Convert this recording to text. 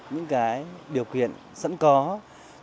những điều kiện sẵn có những thuận lợi